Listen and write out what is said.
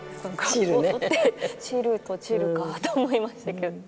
「散る」と「チル」かと思いましたけど。